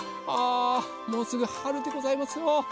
あもうすぐはるでございますよ。